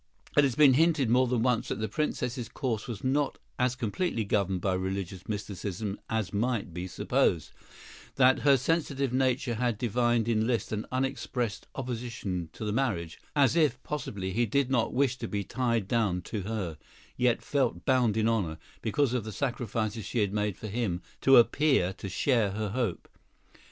It has been hinted more than once that the Princess's course was not as completely governed by religious mysticism as might be supposed—that her sensitive nature had divined in Liszt an unexpressed opposition to the marriage, as if, possibly, he did not wish to be tied down to her, yet felt bound in honor, because of the sacrifices she had made for him, to appear to share her hope.